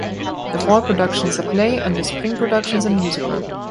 The Fall production is a play and The Spring production is a musical.